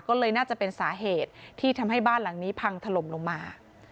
ก็เลยน่าจะเป็นสาเหตุที่ทำให้บ้านหลังนี้พังถล่มลงมา